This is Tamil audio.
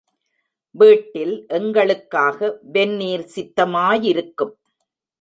வீட்டில் எங்களுக்காக வெந்நீர் சித்தமாயிருக்கும்.